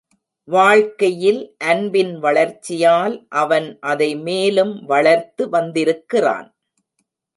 வாழ்க்கையில் அன்பின் வளர்ச்சியால் அவன் அதை மேலும் வளர்த்து வந்திருக்கிறான்.